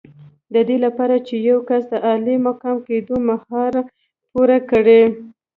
د دې لپاره چې یو کس د عالي مقام کېدو معیار پوره کړي.